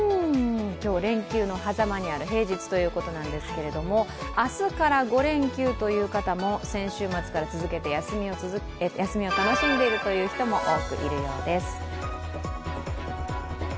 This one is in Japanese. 今日、連休の狭間にある平日ということですが、明日から５連休という方も先週末から休みを楽しんでいるという人も多くいるようです。